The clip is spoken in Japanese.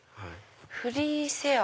フリーセア。